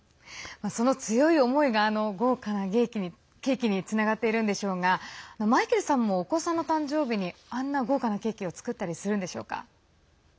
その強い思いがあの豪華なケーキにつながっているんでしょうがマイケルさんもお子さんの誕生日にあんな豪華なケーキを作ったりするんでしょうか？